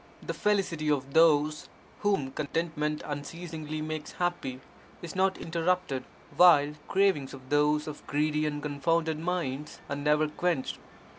The felicity of those, whom contentment un ceasingly makes happy, is not interrupted, while cravings of those of greedy and confounded minds are never quenched.